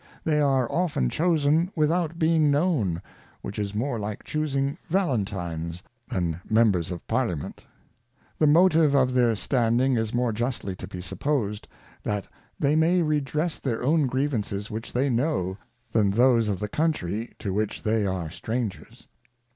They are often chosen without being known, which is more like chusing Valentines, than Members of Parliament. The Motive of their standing is more Justly to be supposed, that they may redress their own Grievances which they know, than those of the Countrey, to which they are strangers.